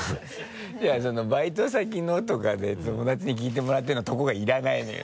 いやその「バイト先の」とかで「友達に聞いてもらってる」のとこがいらないのよ。